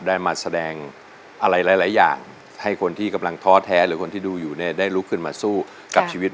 ได้มาแสดงอะไรหลายอย่างให้คนที่กำลังท้อแท้หรือคนที่ดูอยู่เนี่ยได้ลุกขึ้นมาสู้กับชีวิต